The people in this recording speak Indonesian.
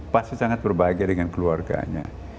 pasti sangat berbahagia dengan keluarganya